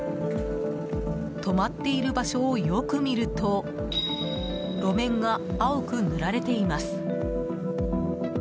止まっている場所をよく見ると路面が青く塗られています。